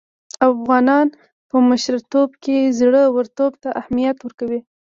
افغانان په مشرتوب کې زړه ورتوب ته اهميت ورکوي.